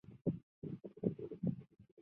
公子完和陈宣公的太子御寇交好。